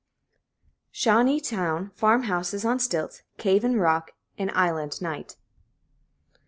Shawneetown Farm houses on stilts Cave in Rock An island night.